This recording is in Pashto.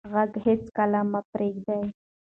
غږ هېڅکله مه پرېږدئ.